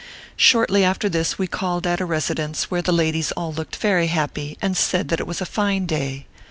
Shortly after this we called at a residence where the ladies all looked very happy and said that it was a fine day.